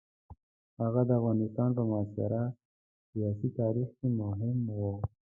هغه د افغانستان په معاصر سیاسي تاریخ کې مهم وو.